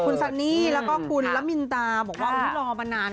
คุณซันนี่แล้วก็คุณละมินตาบอกว่ารอมานาน